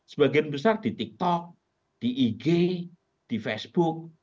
sebagian besar di tiktok di ig di facebook